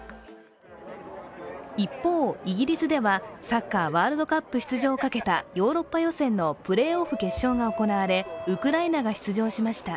一方、イギリスではサッカー・ワールドカップ出場をかけたヨーロッパ予選のプレーオフ決勝が行われウクライナが出場しました。